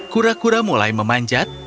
kura kura mulai memanjat